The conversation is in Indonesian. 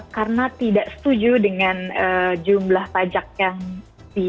karena tidak setuju dengan jumlah pajak yang diberikan